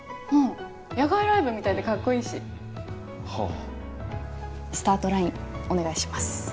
うん野外ライブみたいでかっこいいしはあ「スタートライン」お願いします